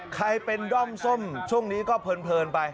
ใครเป็นด้อมส้มช่วงนี้ก็เพลินไป